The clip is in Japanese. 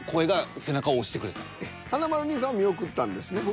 華丸兄さんは見送ったんですね。